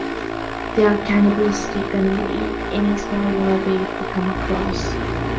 They are cannibalistic and will eat any smaller larvae they come across.